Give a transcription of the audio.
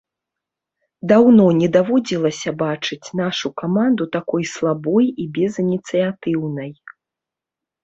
Даўно не даводзілася бачыць нашу каманду такой слабой і безыніцыятыўнай.